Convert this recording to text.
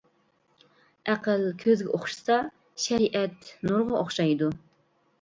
ئەقىل كۆزگە ئوخشىسا، شەرىئەت نۇرغا ئوخشايدۇ.